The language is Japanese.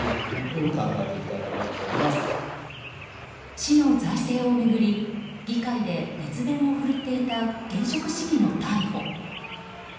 市の財政を巡り議会で熱弁をふるっていた現職市議の逮捕。